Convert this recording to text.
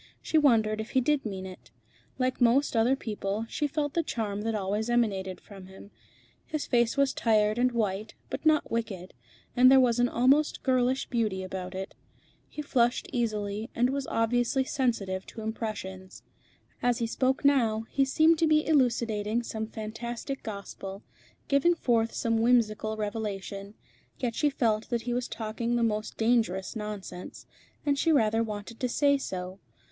She wondered if he did mean it. Like most other people, she felt the charm that always emanated from him. His face was tired and white, but not wicked, and there was an almost girlish beauty about it. He flushed easily, and was obviously sensitive to impressions. As he spoke now, he seemed to be elucidating some fantastic gospel, giving forth some whimsical revelation; yet she felt that he was talking the most dangerous nonsense, and she rather wanted to say so.